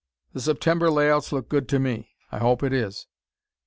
The September layouts look good to me. I hope it is.